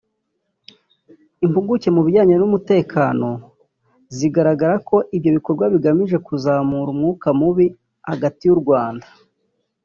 Impuguke mu bijyanye n’umutekano zigaragaza ko ibyo bikorwa bigamije kuzamura umwuka mubi hagati y’u Rwanda